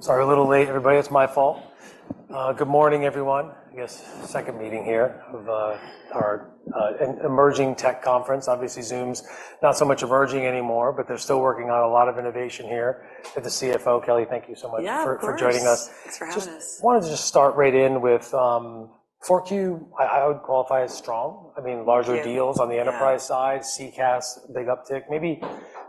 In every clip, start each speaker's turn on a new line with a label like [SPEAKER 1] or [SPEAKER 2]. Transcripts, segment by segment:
[SPEAKER 1] Sorry, a little late, everybody. It's my fault. Good morning, everyone. I guess second meeting here of our emerging tech conference. Obviously, Zoom's not so much emerging anymore, but they're still working on a lot of innovation here at the CFO. Kelly, thank you so much for joining us.
[SPEAKER 2] Yeah, of course. Thanks for having us.
[SPEAKER 1] Just wanted to just start right in with 4Q. I would qualify as strong. I mean, larger deals on the enterprise side, CCaaS, big uptick. Maybe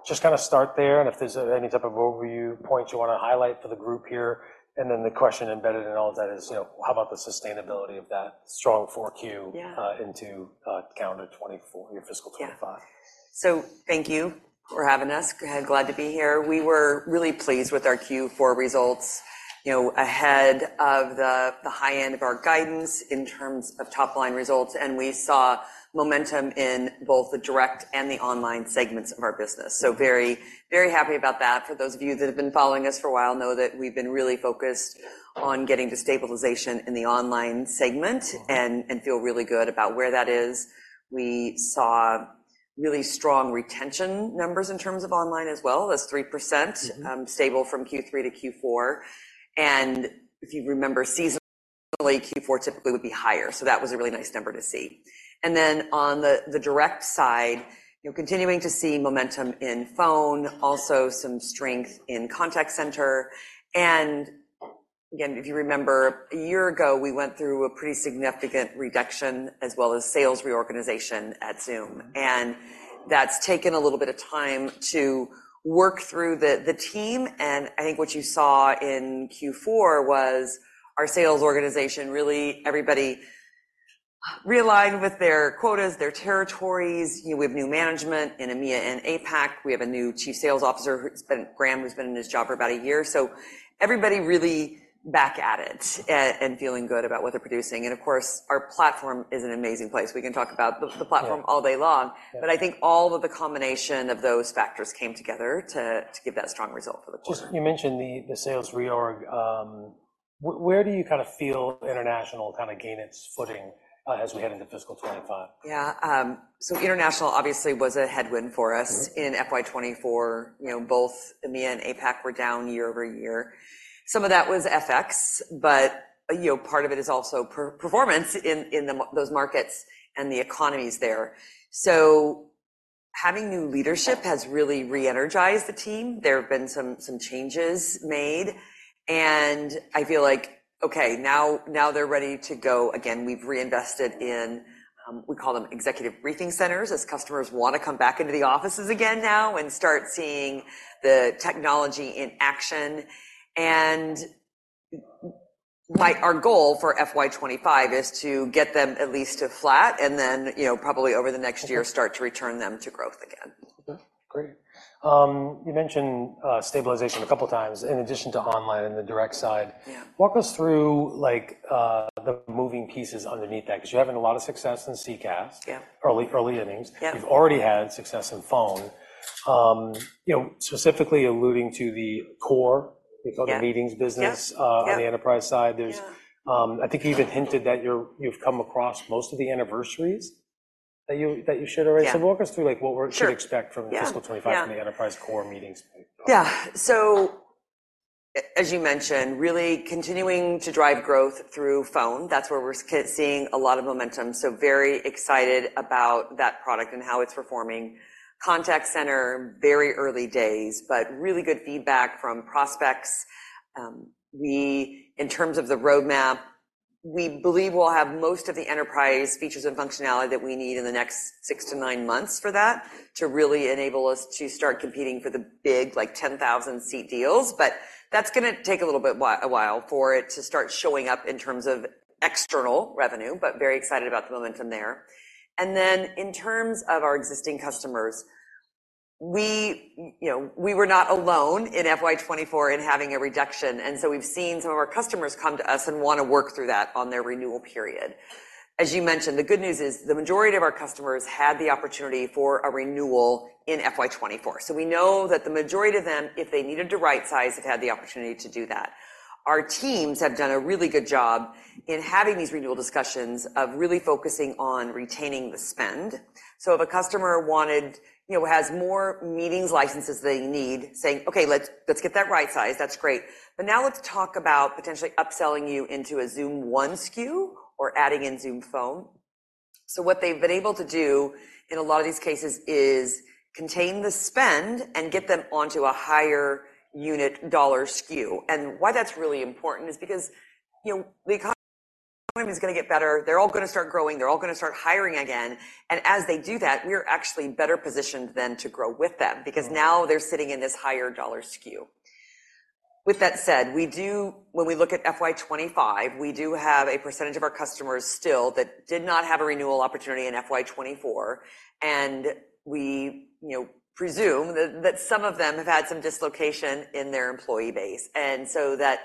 [SPEAKER 1] just kind of start there, and if there's any type of overview points you want to highlight for the group here. And then the question embedded in all of that is, how about the sustainability of that strong 4Q into calendar 2024, your fiscal 2025?
[SPEAKER 2] Yeah. So thank you for having us. Glad to be here. We were really pleased with our Q4 results ahead of the high end of our guidance in terms of top-line results. We saw momentum in both the direct and the online segments of our business. So very, very happy about that. For those of you that have been following us for a while know that we've been really focused on getting to stabilization in the online segment and feel really good about where that is. We saw really strong retention numbers in terms of online as well. That's 3% stable from Q3-Q4. If you remember seasonally, Q4 typically would be higher. So that was a really nice number to see. Then on the direct side, continuing to see momentum in phone, also some strength in contact center. Again, if you remember, a year ago, we went through a pretty significant reduction as well as sales reorganization at Zoom. And that's taken a little bit of time to work through the team. And I think what you saw in Q4 was our sales organization, really everybody realigned with their quotas, their territories. We have new management in EMEA and APAC. We have a new Chief Sales Officer, Graeme, who's been in his job for about a year. So everybody really back at it and feeling good about what they're producing. And of course, our platform is an amazing place. We can talk about the platform all day long. But I think all of the combination of those factors came together to give that strong result for the quarter.
[SPEAKER 1] You mentioned the sales reorg. Where do you kind of feel international kind of gain its footing as we head into fiscal 2025?
[SPEAKER 2] Yeah. So international obviously was a headwind for us in FY 2024. Both EMEA and APAC were down year-over-year. Some of that was FX, but part of it is also performance in those markets and the economies there. So having new leadership has really re-energized the team. There have been some changes made. And I feel like, okay, now they're ready to go again. We've reinvested in what we call them executive briefing centers as customers want to come back into the offices again now and start seeing the technology in action. And our goal for FY 2025 is to get them at least to flat and then probably over the next year start to return them to growth again.
[SPEAKER 1] Okay. Great. You mentioned stabilization a couple of times in addition to online and the direct side. Walk us through the moving pieces underneath that because you're having a lot of success in CCaaS, early innings. You've already had success in phone. Specifically alluding to the core, we call the meetings business on the enterprise side, I think you even hinted that you've come across most of the anniversaries that you should already. So walk us through what we should expect from fiscal 2025 from the enterprise core meetings.
[SPEAKER 2] Yeah. So as you mentioned, really continuing to drive growth through phone. That's where we're seeing a lot of momentum. So very excited about that product and how it's performing. Contact center, very early days, but really good feedback from prospects. In terms of the roadmap, we believe we'll have most of the enterprise features and functionality that we need in the next six to nine months for that to really enable us to start competing for the big 10,000-seat deals. But that's going to take a little bit a while for it to start showing up in terms of external revenue, but very excited about the momentum there. And then in terms of our existing customers, we were not alone in FY 2024 in having a reduction. And so we've seen some of our customers come to us and want to work through that on their renewal period. As you mentioned, the good news is the majority of our customers had the opportunity for a renewal in FY 2024. So we know that the majority of them, if they needed to right-size, have had the opportunity to do that. Our teams have done a really good job in having these renewal discussions of really focusing on retaining the spend. So if a customer has more meetings licenses than they need, saying, "Okay, let's get that right-sized. That's great. But now let's talk about potentially upselling you into a Zoom One SKU or adding in Zoom Phone." So what they've been able to do in a lot of these cases is contain the spend and get them onto a higher unit dollar SKU. Why that's really important is because the economy is going to get better. They're all going to start growing. They're all going to start hiring again. As they do that, we're actually better positioned then to grow with them because now they're sitting in this higher dollar SKU. With that said, when we look at FY 2025, we do have a percentage of our customers still that did not have a renewal opportunity in FY 2024. We presume that some of them have had some dislocation in their employee base. So that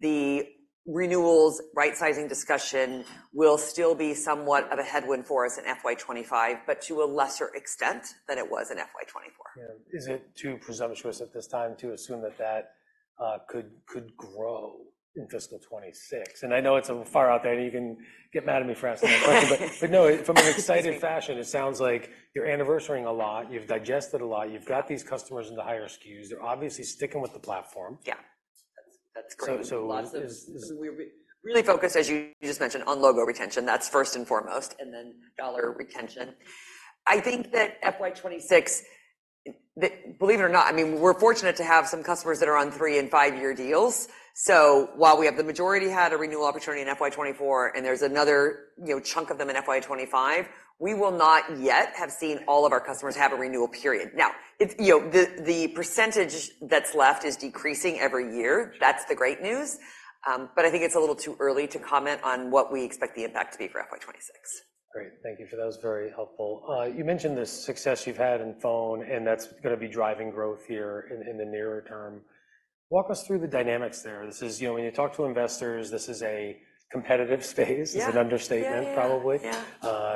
[SPEAKER 2] the renewals right-sizing discussion will still be somewhat of a headwind for us in FY 2025, but to a lesser extent than it was in FY 2024.
[SPEAKER 1] Yeah. Is it too presumptuous at this time to assume that that could grow in fiscal 2026? And I know it's far out there, and you can get mad at me for asking that question. But no, from an excited fashion, it sounds like you're anniversarying a lot. You've digested a lot. You've got these customers in the higher SKUs. They're obviously sticking with the platform.
[SPEAKER 2] Yeah. That's great. Lots of.
[SPEAKER 1] So we're really focused, as you just mentioned, on logo retention. That's first and foremost, and then dollar retention. I think that FY 2026, believe it or not, I mean, we're fortunate to have some customers that are on 3- and 5-year deals. So while we have the majority had a renewal opportunity in FY 2024, and there's another chunk of them in FY 2025, we will not yet have seen all of our customers have a renewal period. Now, the percentage that's left is decreasing every year. That's the great news. But I think it's a little too early to comment on what we expect the impact to be for FY 2026. Great. Thank you for those. Very helpful. You mentioned the success you've had in phone, and that's going to be driving growth here in the nearer term. Walk us through the dynamics there. When you talk to investors, this is a competitive space. It's an understatement, probably.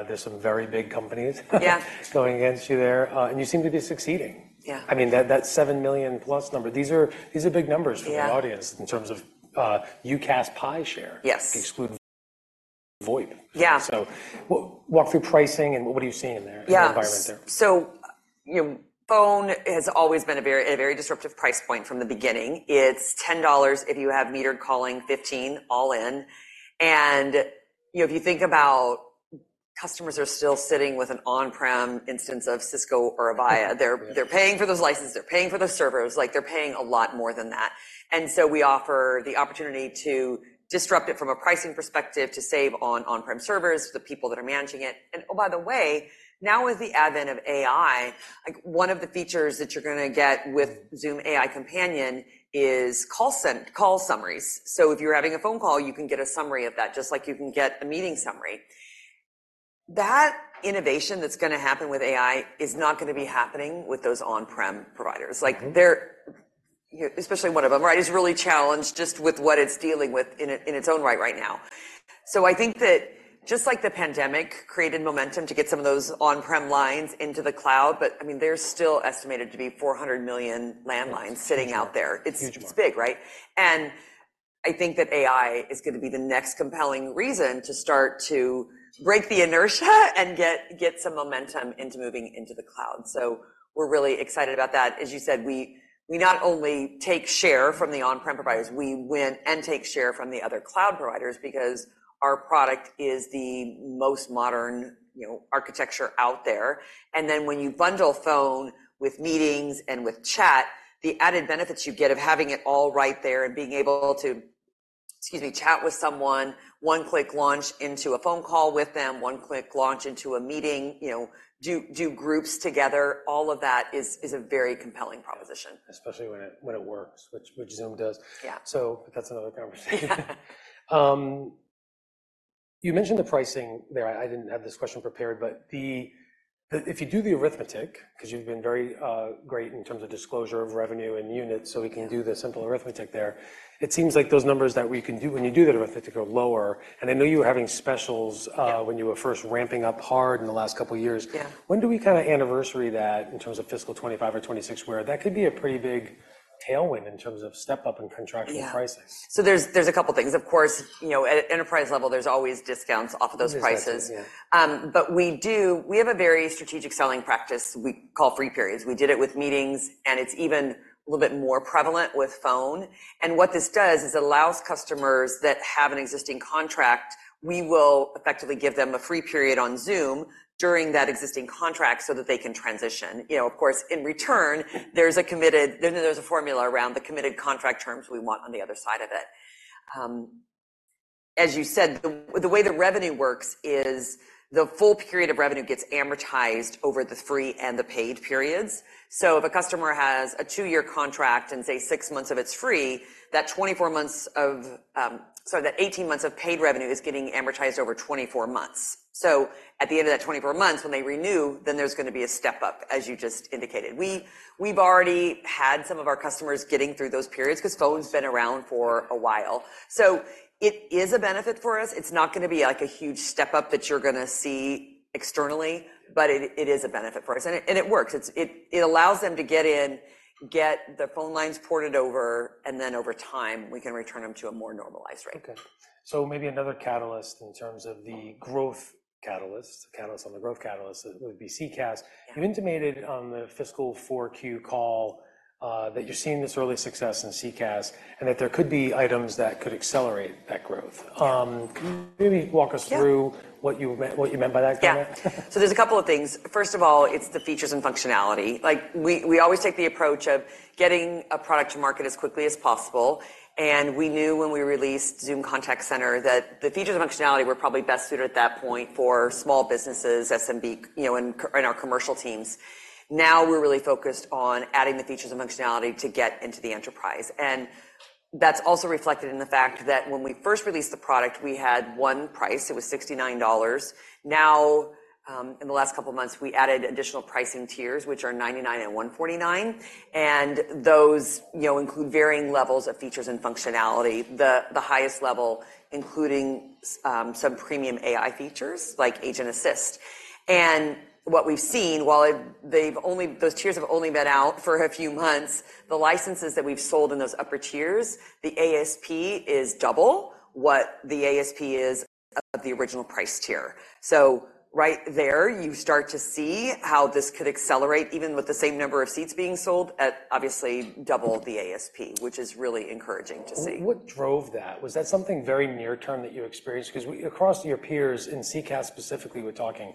[SPEAKER 1] There's some very big companies going against you there. And you seem to be succeeding. I mean, that 7 million-plus number, these are big numbers for the audience in terms of UCaaS market share, exclude VoIP. So walk through pricing, and what are you seeing in the environment there?
[SPEAKER 2] Yeah. So phone has always been a very disruptive price point from the beginning. It's $10 if you have metered calling, $15 all in. And if you think about, customers are still sitting with an on-prem instance of Cisco or Avaya. They're paying for those licenses. They're paying for those servers. They're paying a lot more than that. And so we offer the opportunity to disrupt it from a pricing perspective, to save on on-prem servers for the people that are managing it. And oh, by the way, now with the advent of AI, one of the features that you're going to get with Zoom AI Companion is call summaries. So if you're having a phone call, you can get a summary of that just like you can get a meeting summary. That innovation that's going to happen with AI is not going to be happening with those on-prem providers, especially one of them, right, is really challenged just with what it's dealing with in its own right right now. So I think that just like the pandemic created momentum to get some of those on-prem lines into the cloud, but I mean, they're still estimated to be 400 million landlines sitting out there. It's big, right? And I think that AI is going to be the next compelling reason to start to break the inertia and get some momentum into moving into the cloud. So we're really excited about that. As you said, we not only take share from the on-prem providers, we win and take share from the other cloud providers because our product is the most modern architecture out there. And then when you bundle phone with meetings and with chat, the added benefits you get of having it all right there and being able to, excuse me, chat with someone, one-click launch into a phone call with them, one-click launch into a meeting, do groups together, all of that is a very compelling proposition.
[SPEAKER 1] Especially when it works, which Zoom does. But that's another conversation. You mentioned the pricing there. I didn't have this question prepared. But if you do the arithmetic because you've been very great in terms of disclosure of revenue and units, so we can do the simple arithmetic there, it seems like those numbers that you can do when you do that arithmetic are lower. And I know you were having specials when you were first ramping up hard in the last couple of years. When do we kind of anniversary that in terms of fiscal 2025 or 2026 where that could be a pretty big tailwind in terms of step-up and contractual pricing?
[SPEAKER 2] Yeah. So there's a couple of things. Of course, at enterprise level, there's always discounts off of those prices. But we have a very strategic selling practice. We call free periods. We did it with meetings, and it's even a little bit more prevalent with phone. And what this does is allows customers that have an existing contract, we will effectively give them a free period on Zoom during that existing contract so that they can transition. Of course, in return, there's a formula around the committed contract terms we want on the other side of it. As you said, the way the revenue works is the full period of revenue gets amortized over the free and the paid periods. So if a customer has a 2-year contract and, say, 6 months of it's free, that 24 months of sorry, that 18 months of paid revenue is getting amortized over 24 months. So at the end of that 24 months, when they renew, then there's going to be a step-up, as you just indicated. We've already had some of our customers getting through those periods because phone's been around for a while. So it is a benefit for us. It's not going to be a huge step-up that you're going to see externally, but it is a benefit for us. And it works. It allows them to get in, get the phone lines ported over, and then over time, we can return them to a more normalized rate.
[SPEAKER 1] Okay. So maybe another catalyst in terms of the growth catalyst, the catalyst on the growth catalyst would be CCaaS. You intimated on the fiscal 4Q call that you're seeing this early success in CCaaS and that there could be items that could accelerate that growth. Can you maybe walk us through what you meant by that?
[SPEAKER 2] Yeah. So there's a couple of things. First of all, it's the features and functionality. We always take the approach of getting a product to market as quickly as possible. And we knew when we released Zoom Contact Center that the features and functionality were probably best suited at that point for small businesses, SMB, and our commercial teams. Now we're really focused on adding the features and functionality to get into the enterprise. And that's also reflected in the fact that when we first released the product, we had one price. It was $69. Now, in the last couple of months, we added additional pricing tiers, which are $99 and $149. And those include varying levels of features and functionality, the highest level including some premium AI features like Agent Assist. What we've seen, while those tiers have only been out for a few months, the licenses that we've sold in those upper tiers, the ASP is double what the ASP is of the original price tier. Right there, you start to see how this could accelerate even with the same number of seats being sold at obviously double the ASP, which is really encouraging to see.
[SPEAKER 1] What drove that? Was that something very near-term that you experienced? Because across your peers in CCaaS specifically, we're talking,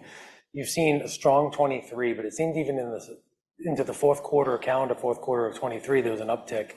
[SPEAKER 1] you've seen a strong 2023, but it seemed even into the Q4, calendar Q4 of 2023, there was an uptick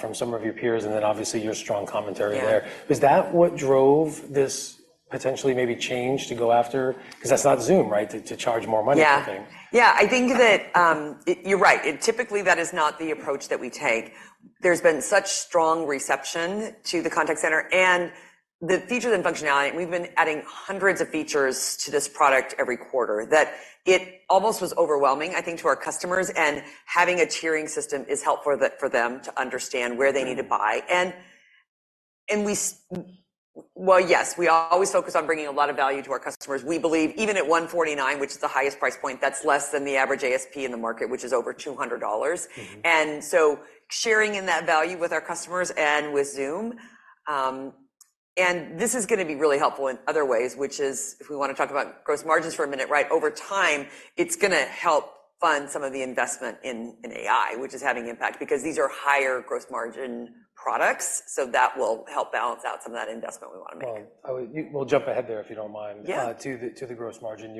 [SPEAKER 1] from some of your peers. And then obviously, your strong commentary there. Was that what drove this potentially maybe change to go after? Because that's not Zoom, right, to charge more money, I think.
[SPEAKER 2] Yeah. Yeah. I think that you're right. Typically, that is not the approach that we take. There's been such strong reception to the contact center and the features and functionality. And we've been adding hundreds of features to this product every quarter, that it almost was overwhelming, I think, to our customers. And having a tiering system is helpful for them to understand where they need to buy. And well, yes, we always focus on bringing a lot of value to our customers. We believe even at $149, which is the highest price point, that's less than the average ASP in the market, which is over $200. And so, sharing in that value with our customers and with Zoom, this is going to be really helpful in other ways, which is if we want to talk about gross margins for a minute, right? Over time, it's going to help fund some of the investment in AI, which is having impact because these are higher gross margin products. So that will help balance out some of that investment we want to make.
[SPEAKER 1] Well, we'll jump ahead there if you don't mind, to the gross margin.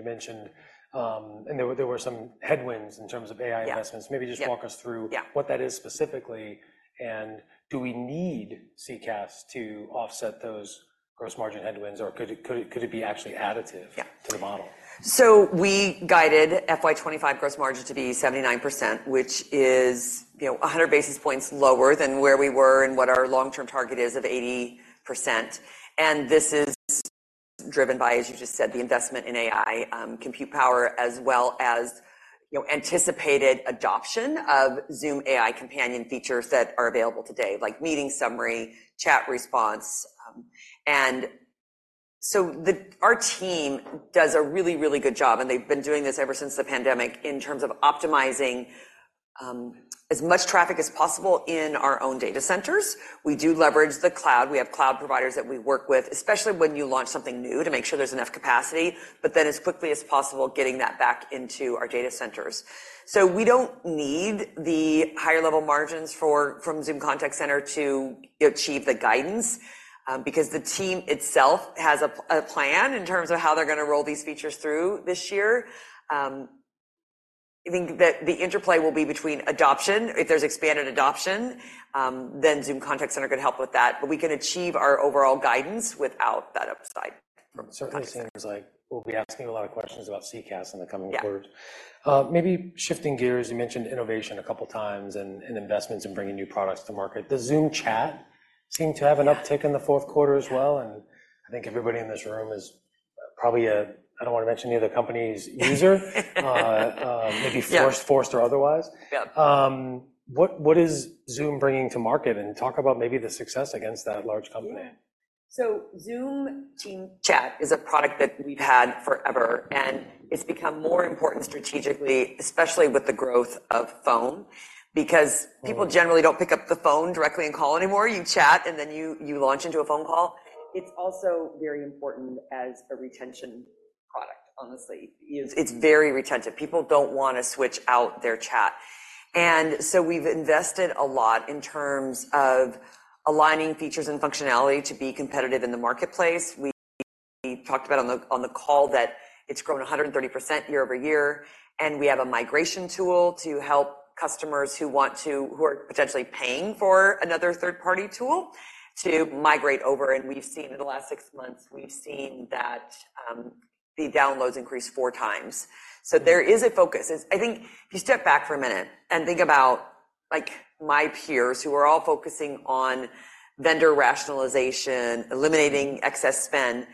[SPEAKER 1] There were some headwinds in terms of AI investments. Maybe just walk us through what that is specifically. Do we need CCaaS to offset those gross margin headwinds, or could it be actually additive to the model?
[SPEAKER 2] So we guided FY 2025 gross margin to be 79%, which is 100 basis points lower than where we were and what our long-term target is of 80%. This is driven by, as you just said, the investment in AI, compute power, as well as anticipated adoption of Zoom AI Companion features that are available today, like meeting summary, chat response. Our team does a really, really good job. They've been doing this ever since the pandemic in terms of optimizing as much traffic as possible in our own data centers. We do leverage the cloud. We have cloud providers that we work with, especially when you launch something new to make sure there's enough capacity, but then as quickly as possible getting that back into our data centers. We don't need the higher-level margins from Zoom Contact Center to achieve the guidance because the team itself has a plan in terms of how they're going to roll these features through this year. I think that the interplay will be between adoption. If there's expanded adoption, then Zoom Contact Center could help with that. But we can achieve our overall guidance without that upside.
[SPEAKER 1] Certainly, it seems like we'll be asking you a lot of questions about CCaaS in the coming quarters. Maybe shifting gears, you mentioned innovation a couple of times and investments in bringing new products to market. The Zoom Chat seemed to have an uptick in the Q4 as well. And I think everybody in this room is probably a user, I don't want to mention any other companies' user, maybe forced or otherwise. What is Zoom bringing to market? Talk about maybe the success against that large company.
[SPEAKER 2] So Zoom Team Chat is a product that we've had forever. And it's become more important strategically, especially with the growth of phone because people generally don't pick up the phone directly and call anymore. You chat, and then you launch into a phone call. It's also very important as a retention product, honestly. It's very retentive. People don't want to switch out their chat. And so we've invested a lot in terms of aligning features and functionality to be competitive in the marketplace. We talked about on the call that it's grown 130% year-over-year. And we have a migration tool to help customers who are potentially paying for another third-party tool to migrate over. And we've seen in the last six months, we've seen that the downloads increased four times. So there is a focus. I think if you step back for a minute and think about my peers who are all focusing on vendor rationalization, eliminating excess spend,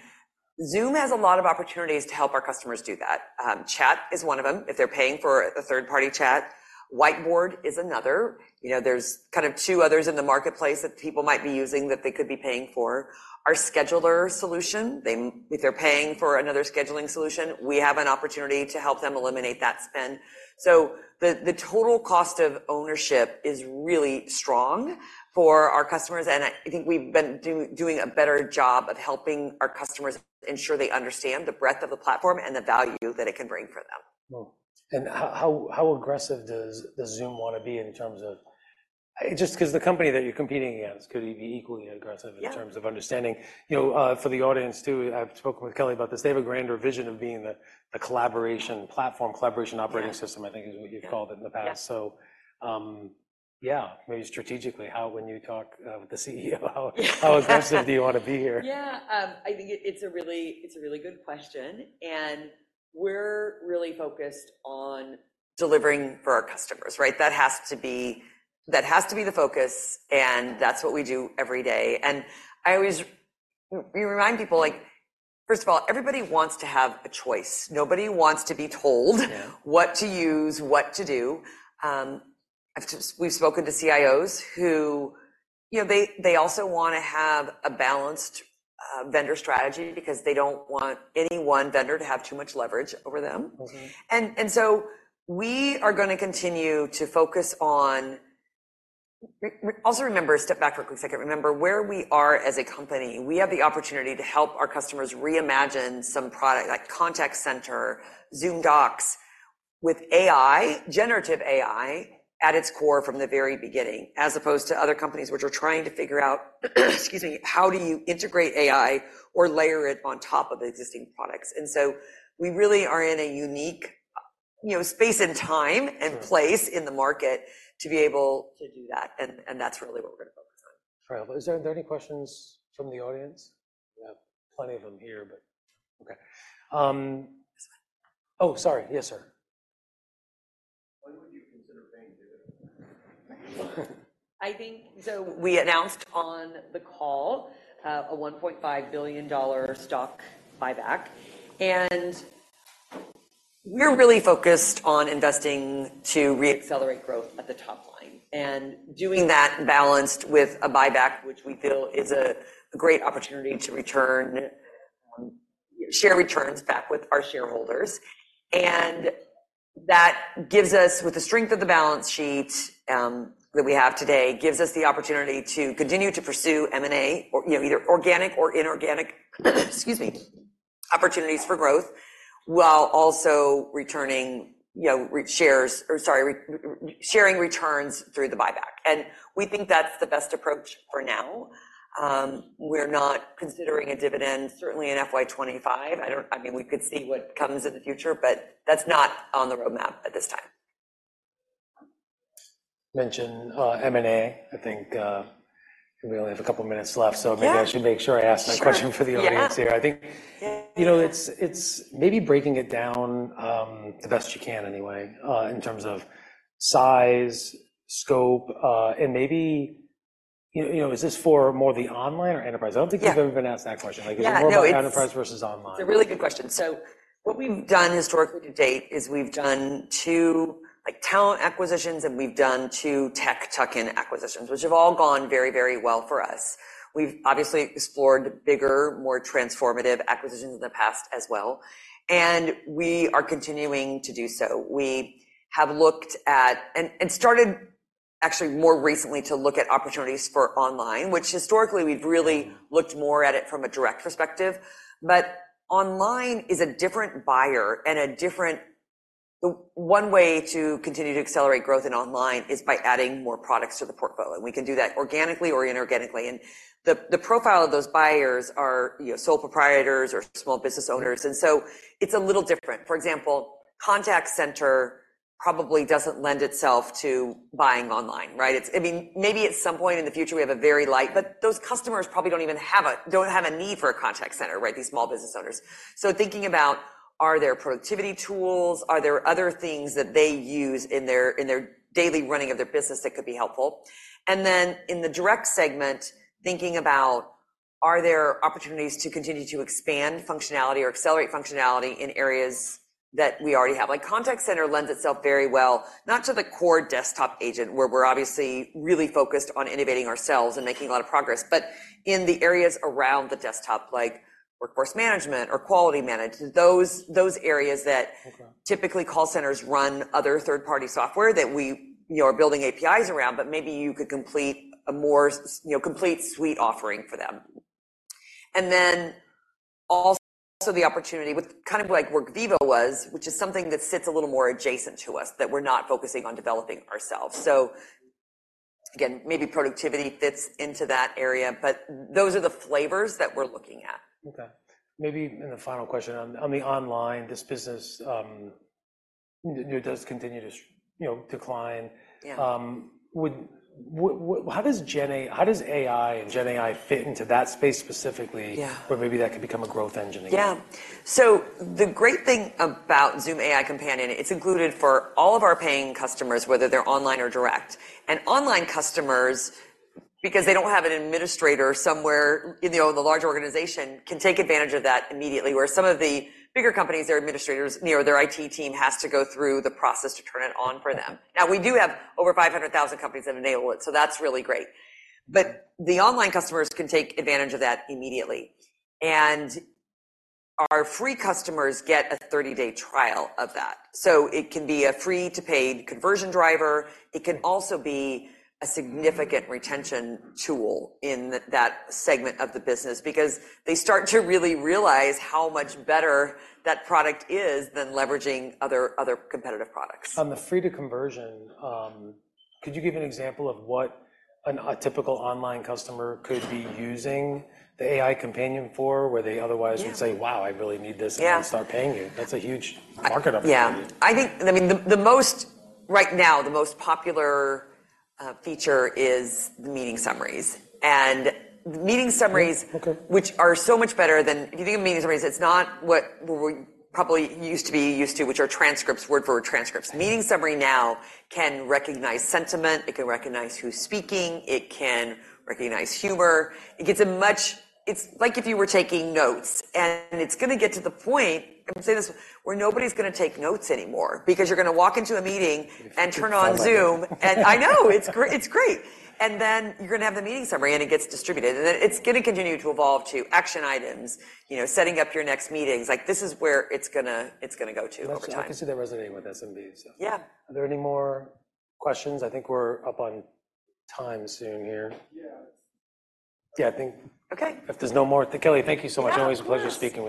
[SPEAKER 2] Zoom has a lot of opportunities to help our customers do that. Chat is one of them. If they're paying for a third-party chat, Whiteboard is another. There's kind of two others in the marketplace that people might be using that they could be paying for. Our Scheduler solution, if they're paying for another scheduling solution, we have an opportunity to help them eliminate that spend. So the total cost of ownership is really strong for our customers. I think we've been doing a better job of helping our customers ensure they understand the breadth of the platform and the value that it can bring for them.
[SPEAKER 1] Wow. And how aggressive does Zoom want to be in terms of just because the company that you're competing against, could it be equally aggressive in terms of understanding? For the audience too, I've spoken with Kelly about this. They have a grander vision of being the platform collaboration operating system, I think, is what you've called it in the past. So yeah, maybe strategically, when you talk with the CEO, how aggressive do you want to be here?
[SPEAKER 2] Yeah. I think it's a really good question. And we're really focused on delivering for our customers, right? That has to be that has to be the focus. And that's what we do every day. And we remind people, first of all, everybody wants to have a choice. Nobody wants to be told what to use, what to do. We've spoken to CIOs who they also want to have a balanced vendor strategy because they don't want any one vendor to have too much leverage over them. And so we are going to continue to focus on. Also remember, step back for a quick second, remember where we are as a company. We have the opportunity to help our customers reimagine some product like Contact Center, Zoom Docs with AI, generative AI at its core from the very beginning, as opposed to other companies which are trying to figure out, excuse me, how do you integrate AI or layer it on top of existing products? And so we really are in a unique space and time and place in the market to be able to do that. And that's really what we're going to focus on.
[SPEAKER 1] Trial, are there any questions from the audience? We have plenty of them here, but okay. Oh, sorry. Yes, sir.
[SPEAKER 3] When would you consider paying dividends?
[SPEAKER 2] We announced on the call a $1.5 billion stock buyback. We're really focused on investing to reaccelerate growth at the top line and doing that balanced with a buyback, which we feel is a great opportunity to share returns back with our shareholders. That gives us, with the strength of the balance sheet that we have today, the opportunity to continue to pursue M&A, either organic or inorganic, excuse me, opportunities for growth while also returning shares, or sorry, sharing returns through the buyback. We think that's the best approach for now. We're not considering a dividend, certainly in FY 2025. I mean, we could see what comes in the future, but that's not on the roadmap at this time.
[SPEAKER 1] Mention M&A. I think we only have a couple of minutes left, so maybe I should make sure I ask my question for the audience here. I think it's maybe breaking it down the best you can anyway in terms of size, scope. And maybe is this for more the online or enterprise? I don't think you've ever been asked that question. Is it more enterprise versus online?
[SPEAKER 2] Yeah. No, it's a really good question. So what we've done historically to date is we've done 2 talent acquisitions, and we've done 2 tech tuck-in acquisitions, which have all gone very, very well for us. We've obviously explored bigger, more transformative acquisitions in the past as well. We are continuing to do so. We have looked at and started actually more recently to look at opportunities for online, which historically, we've really looked more at it from a direct perspective. But online is a different buyer and a different one way to continue to accelerate growth in online is by adding more products to the portfolio. We can do that organically or inorganically. The profile of those buyers are sole proprietors or small business owners. So it's a little different. For example, Contact Center probably doesn't lend itself to buying online, right? I mean, maybe at some point in the future, we have a very light, but those customers probably don't even have a need for a contact center, right? These small business owners. So thinking about, are there productivity tools? Are there other things that they use in their daily running of their business that could be helpful? And then in the direct segment, thinking about, are there opportunities to continue to expand functionality or accelerate functionality in areas that we already have? Contact Center lends itself very well, not to the core desktop agent where we're obviously really focused on innovating ourselves and making a lot of progress, but in the areas around the desktop like workforce management or quality management, those areas that typically call centers run other third-party software that we are building APIs around, but maybe you could complete a more complete suite offering for them. And then also the opportunity with kind of like Workvivo was, which is something that sits a little more adjacent to us, that we're not focusing on developing ourselves. So again, maybe productivity fits into that area, but those are the flavors that we're looking at.
[SPEAKER 1] Okay. Maybe in the final question, on the online, this business does continue to decline. How does AI and GenAI fit into that space specifically where maybe that could become a growth engine again?
[SPEAKER 2] Yeah. So the great thing about Zoom AI Companion, it's included for all of our paying customers, whether they're online or direct. And online customers, because they don't have an administrator somewhere in the large organization, can take advantage of that immediately, whereas some of the bigger companies, their administrators or their IT team has to go through the process to turn it on for them. Now, we do have over 500,000 companies that enable it, so that's really great. But the online customers can take advantage of that immediately. And our free customers get a 30-day trial of that. So it can be a free-to-paid conversion driver. It can also be a significant retention tool in that segment of the business because they start to really realize how much better that product is than leveraging other competitive products.
[SPEAKER 1] On the free-to-paid conversion, could you give an example of what a typical online customer could be using the AI Companion for where they otherwise would say, "Wow, I really need this," and then start paying you? That's a huge market opportunity.
[SPEAKER 2] Yeah. I mean, right now, the most popular feature is the meeting summaries. And the meeting summaries, which are so much better than if you think of meeting summaries, it's not what we probably used to be used to, which are transcripts, word-for-word transcripts. Meeting summary now can recognize sentiment. It can recognize who's speaking. It can recognize humor. It's like if you were taking notes. And it's going to get to the point I'm going to say this: where nobody's going to take notes anymore because you're going to walk into a meeting and turn on Zoom. And I know. It's great. And then you're going to have the meeting summary, and it gets distributed. And then it's going to continue to evolve to action items, setting up your next meetings. This is where it's going to go to over time.
[SPEAKER 1] I see that resonating with SMBs, so are there any more questions? I think we're up on time soon here.
[SPEAKER 3] Yeah.
[SPEAKER 1] Yeah. I think if there's no more, Kelly, thank you so much. Always a pleasure speaking to you.